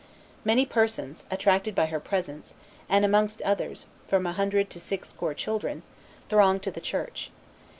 Many persons, attracted by her presence, and amongst others "from a hundred to six score children," thronged to the church.